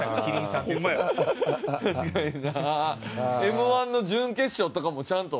Ｍ−１の準決勝とかもちゃんと。